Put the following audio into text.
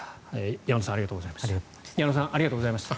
山田さん、矢野さんありがとうございました。